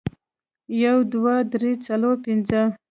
یو، دوه، درې، څلور، پنځه